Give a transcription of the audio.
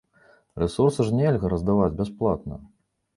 Рэсурсы ж нельга раздаваць бясплатна.